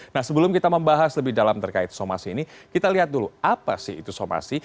nah sebelum kita membahas lebih dalam terkait somasi ini kita lihat dulu apa sih itu somasi